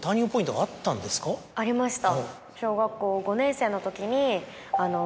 ありました。